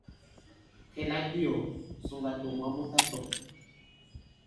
Kɛ̌ labiɔ̀ɔ̀, ŋ̀sùŋgà tɔ̀ mwǎ mu tatɔ̄ŋ.